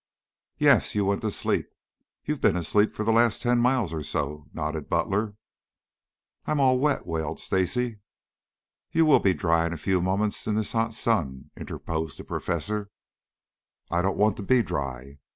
"Yes, you went to sleep. You've been asleep for the last ten miles or so," nodded Butler. "I'm all wet," wailed Stacy. "You will be dry in a few moments in this hot sun," interposed the professor. "I don't want to be dry."